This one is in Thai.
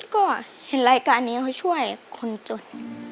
ก็เห็นรายการนี้เขาช่วยคนจน